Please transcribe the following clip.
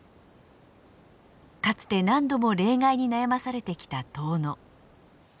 かつて何度も冷害に悩まされてきた遠野。